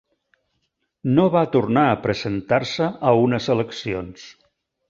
No va tornar a presentar-se a unes eleccions.